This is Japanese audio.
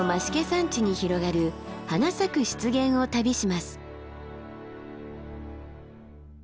山地に広がる花咲く湿原を旅します。